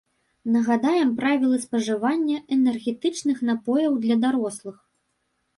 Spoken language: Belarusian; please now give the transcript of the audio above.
Нагадаем правілы спажывання энергетычных напояў для дарослых.